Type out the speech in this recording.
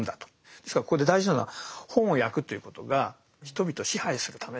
ですからここで大事なのは本を焼くっていうことが人々を支配するためだと言わないんですね。